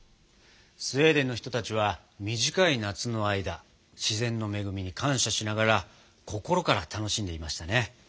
スウェーデンの人たちは短い夏の間自然の恵みに感謝しながら心から楽しんでいましたね。